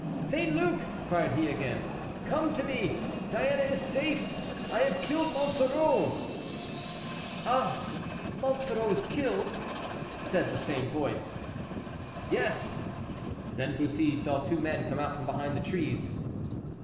"St. Luc!" cried he again, "come to me! Diana is safe! I have killed Monsoreau!" "Ah! Monsoreau is killed?" said the same voice. "Yes." Then Bussy saw two men come out from behind the trees.